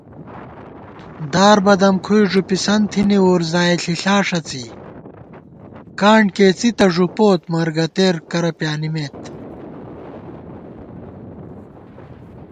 دار بدَمکُھوئی ݫُپِسَن تھی وُرزائےݪِݪا ݭڅی * کانڈ کېڅی تہ بوت مرگَتېرکرہ پیانِمېت